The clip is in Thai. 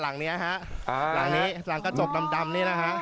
หลังเนี้ยฮะอ่าหลังนี้หลังกระจกดำนี่นะฮะ